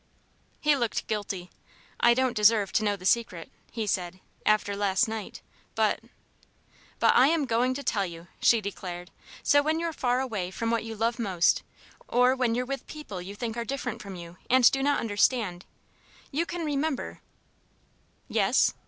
He looked guilty. "I don't deserve to know the Secret," he said, "after last night. But " "But I am going to tell you," she declared, "so when you're far away from what you love most, or when you're with people you think are different from you and do not understand, you can remember " "Yes?"